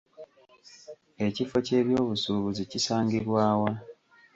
Ekifo ky'ebyobusuubuzi kisangibwa wa?